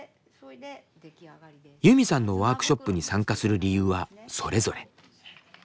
ユミさんのワークショップに参加する理由はそれぞれ。